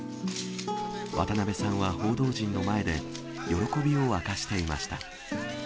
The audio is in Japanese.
渡辺さんは報道陣の前で、喜びを明かしていました。